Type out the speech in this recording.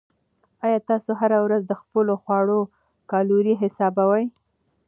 آیا تاسو هره ورځ د خپلو خواړو کالوري حسابوئ؟